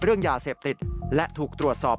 เรื่องยาเสพติดและถูกตรวจสอบ